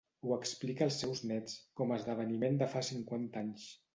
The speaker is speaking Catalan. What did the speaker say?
Ho explica als seus néts, com a esdeveniment de fa cinquanta anys.